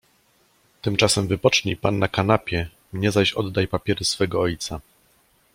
"Tymczasem wypocznij pan na kanapie, mnie zaś oddaj papiery swego ojca."